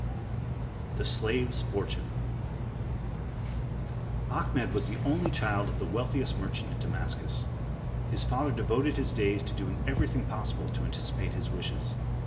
The Slave's Fortune Ahmed was the only child of the wealthiest merchant in Damascus. His father devoted his days to doing everything possible to anticipate his wishes.